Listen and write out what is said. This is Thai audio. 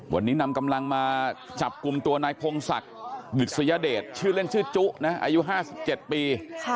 วันนี้นำกำลังมาจับกลุ่มตัวนายพงศักดิ์ดิษยเดชชื่อเล่นชื่อจุนะอายุ๕๗ปี